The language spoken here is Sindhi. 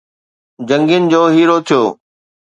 جنگين جو هيرو ٿيو